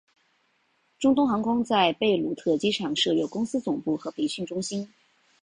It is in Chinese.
中东航空在贝鲁特机场设有公司总部和培训中心。